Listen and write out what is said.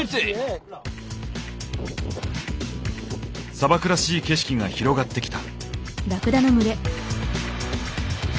砂漠らしい景色が広がってきた。